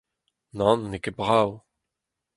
Nann, n’eo ket brav.